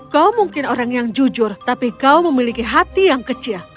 kau mungkin orang yang jujur tapi kau memiliki hati yang kecil